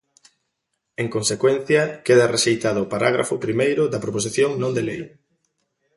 En consecuencia, queda rexeitado o parágrafo primeiro da proposición non de lei.